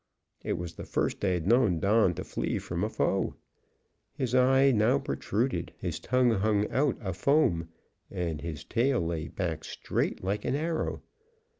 It was the first I had known Don to flee from a foe. His eye now protruded, his tongue hung out a foam, and his tail lay back straight like an arrow.